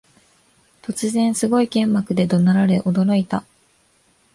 突然、すごい剣幕で怒鳴られ驚いた